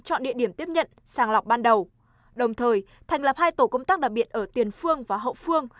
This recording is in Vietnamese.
chọn địa điểm tiếp nhận sàng lọc ban đầu đồng thời thành lập hai tổ công tác đặc biệt ở tiền phương và hậu phương